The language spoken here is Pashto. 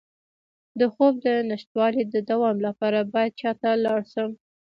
د خوب د نشتوالي د دوام لپاره باید چا ته لاړ شم؟